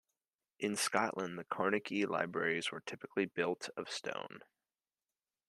In Scotland the Carnegie libraries were typically built of stone.